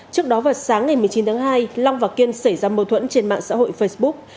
trước đó vào sáng ngày một mươi chín tháng hai long và kiên xảy ra mâu thuẫn trên mạng xã hội facebook